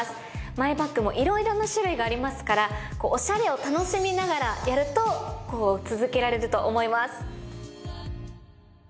マイバッグもいろいろな種類がありますからオシャレを楽しみながらやると続けられると思います。